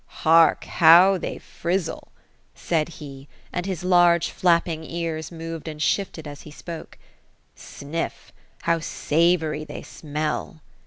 ^ Hark, how they frizzle P' said he ; and his large flapping ears moved and shifted as he spoke. ^ Sniff, how savory they smell